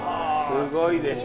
すごいでしょ？